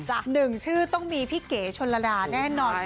หนึ่งชื่อต้องมีพี่เก๋ชนระดาแน่นอน